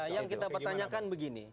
yang kita pertanyakan begini